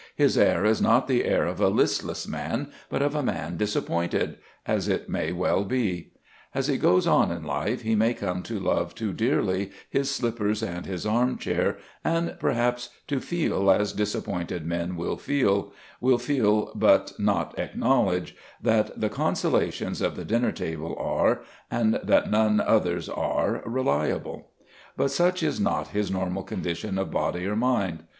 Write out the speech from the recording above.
His air is not the air of a listless man, but of a man disappointed, as it may well be. As he goes on in life he may come to love too dearly his slippers and his armchair, and perhaps to feel, as disappointed men will feel, will feel but not acknowledge, that the consolations of the dinner table are, and that none others are, reliable; but such is not his normal condition of body or mind.